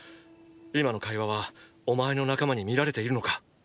今の会話はお前の仲間に見られているのか？